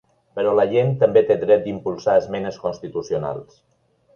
Però la gent també té dret d’impulsar esmenes constitucionals.